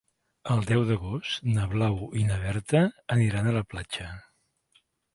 El deu d'agost na Blau i na Berta aniran a la platja.